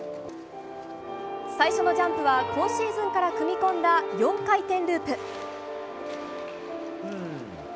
最初のジャンプは今シーズンから組み込んだ４回転ループ。